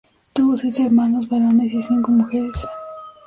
Tuvo seis hermanos varones y cinco mujeres.